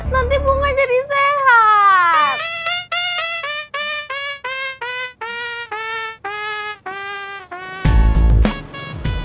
nanti bunga jadi sehat